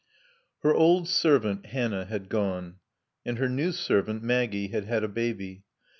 XI Her old servant, Hannah, had gone, and her new servant, Maggie, had had a baby.